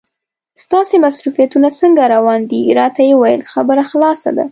ستاسې مصروفیتونه څنګه روان دي؟ راته یې وویل خبره خلاصه ده.